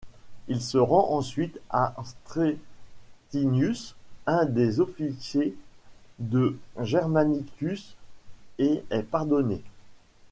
Il se rend ensuite à Stretinius, un des officiers de Germanicus, et est pardonné.